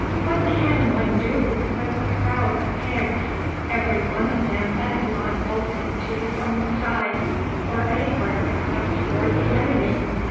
"What can one do with a crowd of pigs, everyone of them bent on bolting to his own sty, or anywhere except toward the enemy?